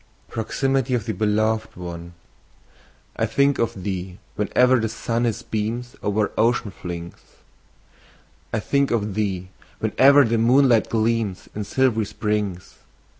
PROXIMITY OF THE BELOVED ONE. I THINK of thee, whene'er the sun his beams O'er ocean flings; I think of thee, whene'er the moonlight gleams In silv'ry springs.